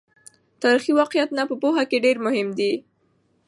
تاریخي واقعیتونه په پوهه کې ډېر مهم دي.